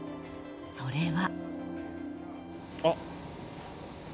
それは。